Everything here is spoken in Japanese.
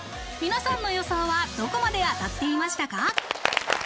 皆さんの予想はどこまで当たっていましたか？